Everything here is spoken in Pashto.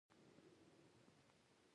افغانستان د کلیو له امله نړیوال شهرت لري.